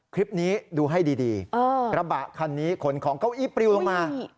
คลิปนี้ดูให้ดีกระบะคันนี้ขนของเก้าอี้ปริวลงมา